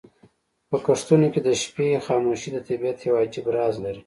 په کښتونو کې د شپې خاموشي د طبیعت یو عجیب راز لري.